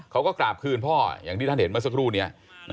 เขาก็กราบคืนพ่ออย่างที่ท่านเห็นเมื่อสักครู่นี้